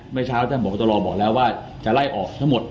เมื่อเช้าท่านพบตรบอกแล้วว่าจะไล่ออกทั้งหมด